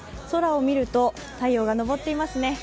空を見ると太陽が上っていますね。